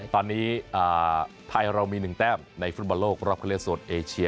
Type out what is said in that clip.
ตอนนี้ไทยเรามีหนึ่งแต้มในฟุตบาลโลกรอบเข้าเรียกส่วนเอเชีย